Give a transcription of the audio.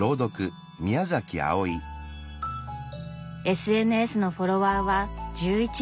ＳＮＳのフォロワーは１１万人。